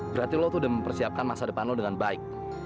berarti lo tuh udah mempersiapkan masa depan lo dengan baik